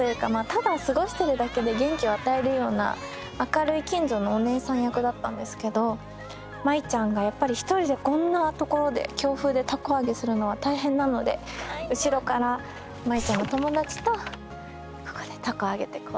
ただ過ごしてるだけで元気を与えるような明るい近所のおねえさん役だったんですけど舞ちゃんがやっぱり一人でこんな所で強風で凧揚げするのは大変なので後ろから舞ちゃんの友達とここで凧揚げてこうやって揚げてました。